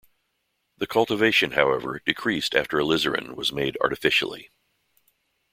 The cultivation, however, decreased after alizarin was made artificially.